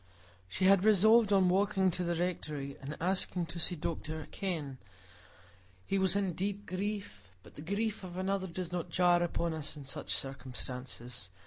She had resolved on walking to the Rectory and asking to see Dr Kenn; he was in deep grief, but the grief of another does not jar upon us in such circumstances.